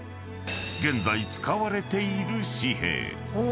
［現在使われている紙幣］